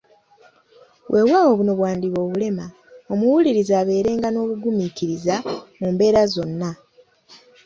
Weewaawo buno bwandiba obulema ,omuwuliriza abeerenga n’obugumiikiriza mu mbeera zonna .